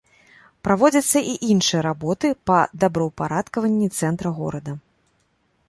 Праводзяцца і іншыя работы па добраўпарадкаванні цэнтра горада.